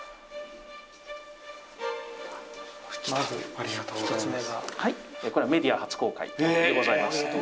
ありがとうございます。